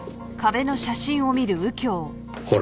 ほら。